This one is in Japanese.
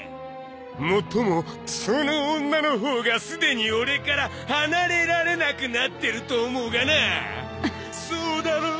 もっともその女のほうがすでに俺から離れられなくなってると思うがなそうだろ？